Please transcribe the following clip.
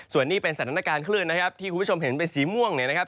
ส่วนนี้เป็นสถานการณ์คลื่นนะครับที่คุณผู้ชมเห็นเป็นสีม่วงเนี่ยนะครับ